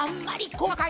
細かい。